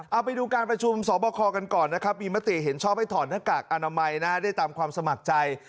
เอาไปดูการประชุมสอบคอกันก่อนนะครับมีมติเห็นชอบให้ถอดหน้ากากอนามัยนะได้ตามความสมัครใจ